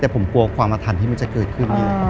แต่ผมกลัวความอาถรรพ์ที่มันจะเกิดขึ้น